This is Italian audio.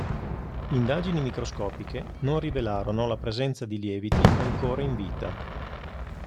Indagini microscopiche non rivelarono la presenza di lieviti ancora in vita.